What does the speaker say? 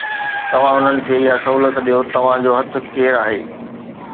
توهان انهن کي اها سهولت ڏيو، توهان جو هٿ ڪير آهي؟